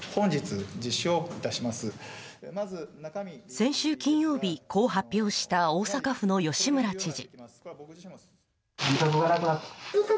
先週金曜日、こう発表した大阪府の吉村知事。